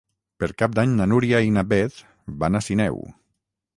Per Cap d'Any na Núria i na Beth van a Sineu.